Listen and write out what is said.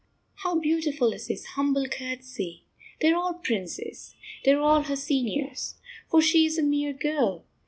How beautiful is this humble courtesy! They are all princes. They are all her seniors. For she is a mere girl.